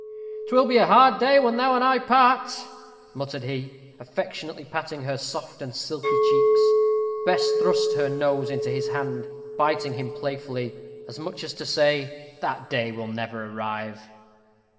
"'Twill be a hard day when thou and I part!" murmured he, affectionately patting her soft and silky cheeks. Bess thrust her nose into his hand, biting him playfully, as much as to say, "That day will never arrive."